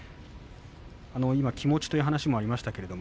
今、気持ちという話もありました。